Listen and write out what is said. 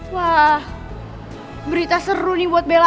wah berita seru nih buat bella